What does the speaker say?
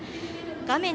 画面